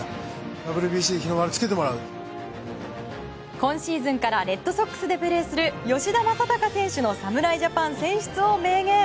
今シーズンからレッドソックスでプレーする吉田正尚選手の侍ジャパン選出を明言。